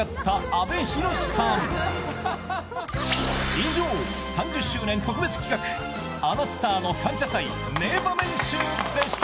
以上、３０周年特別企画、あのスターの感謝祭名場面集でした。